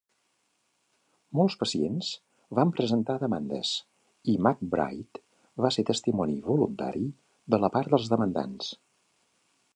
Molts pacients van presentar demandes, i McBride va ser testimoni voluntari de la part dels demandants.